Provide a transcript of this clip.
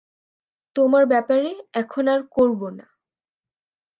তোমার ব্যাপারে, এখন আর করবো না।